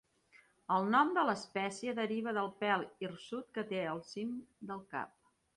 El nom de l'espècie deriva del pèl hirsut que té al cim del cap.